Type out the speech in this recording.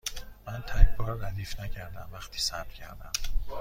من تگ بار دریافت نکردم وقتی ثبت کردم.